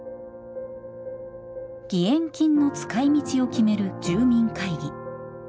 義援金の使いみちを決める住民会議。